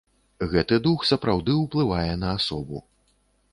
Гэты дух сапраўды ўплывае на асобу.